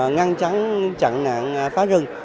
ngăn chắn chặn nạn phá rừng